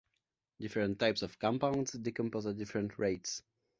Different types of compounds decompose at different rates.